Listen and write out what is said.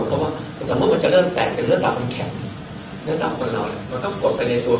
เพราะว่าถ้าเมื่อมันจะเริ่มแตกเรือดดับมันแข็งเรือดดับของเรามันก็กดไปในตัว